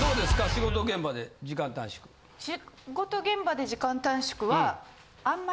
仕事現場で時間短縮は。